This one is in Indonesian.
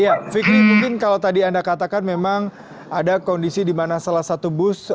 ya fikri mungkin kalau tadi anda katakan memang ada kondisi di mana salah satu bus